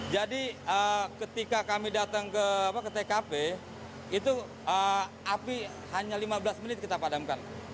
jadi ketika kami datang ke tkp itu api hanya lima belas menit kita padamkan